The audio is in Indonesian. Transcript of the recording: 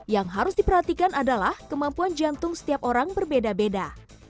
yang harus diperhatikan adalah kemampuan jantung setiap orang berbeda beda